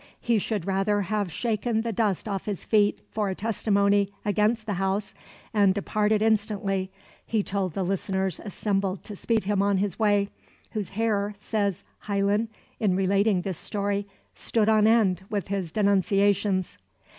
He should rather have shaken the dust off his feet for a testimony against the house and departed instantly, he told the listeners assembled to speed him on his way whose hair, says Heylyn, in relating this story, stood on end with his denunciations.